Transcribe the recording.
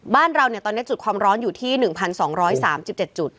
บ้านเราตอนนี้จุดความร้อนอยู่ที่๑๒๓๗จุด